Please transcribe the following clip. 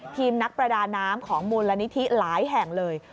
ทีมนักประดาน้ำของมูลนิธิหลายแห่งเลย